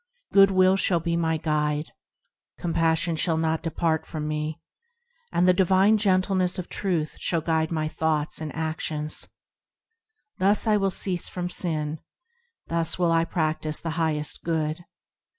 Goodwill shall be my guide ; Compassion shall not depart from me. And the divine gentleness of Truth shall guide my thoughts and actions. Thus will I cease from sin; Thus will I practise the Highest Good.